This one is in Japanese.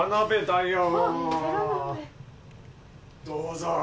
どうぞ！